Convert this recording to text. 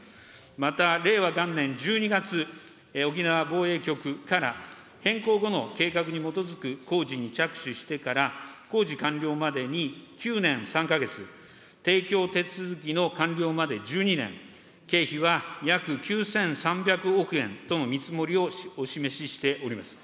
また、令和元年１２月、沖縄防衛局から変更後の計画に基づく工事に着手してから、工事完了までに９年３か月、提供手続きの完了まで１２年、経費は約９３００億円との見積もりをお示ししております。